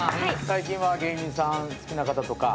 最近は芸人さん好きな方とか。